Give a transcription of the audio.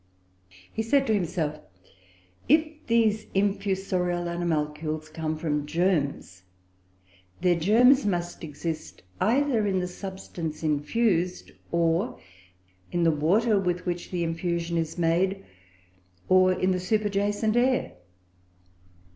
He said to himself, If these infusorial animalcules come from germs, their germs must exist either in the substance infused, or in the water with which the infusion is made, or in the superjacent air.